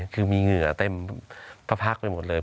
คือมีเหงื่อเต็มพระพักไปหมดเลย